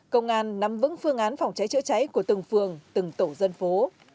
công an nắm vững phương án phòng cháy chữa cháy của từng phường từng tổ dân phố